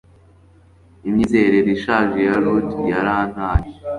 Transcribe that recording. Imyizerere ishaje ya ruddy yarantaye